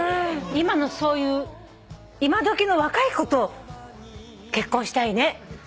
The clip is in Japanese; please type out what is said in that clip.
今のそういう今どきの若い子と結婚したいね。